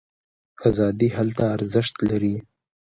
ازادي هلته ارزښت لري.